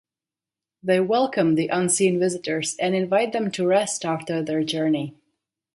They welcome the unseen visitors and invite them to rest after their journey.